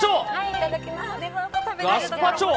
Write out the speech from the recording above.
いただきます！